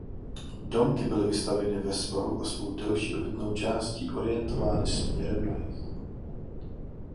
Domky byly vystavěny ve svahu a svou delší obytnou části orientovány směrem na jih.